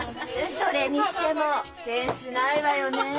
それにしてもセンスないわよねえ。